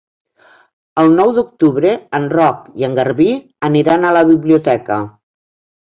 El nou d'octubre en Roc i en Garbí aniran a la biblioteca.